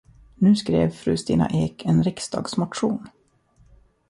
Nu skrev fru Stina Ek en riksdagsmotion.